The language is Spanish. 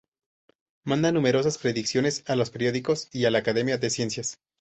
Manda numerosas predicciones a los periódicos y a la Academia de ciencias.